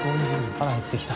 腹減ってきた。